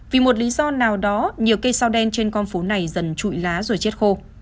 vì một lý do nào đó nhiều cây sao đen trên con phố này dần trụi lá rồi chết khô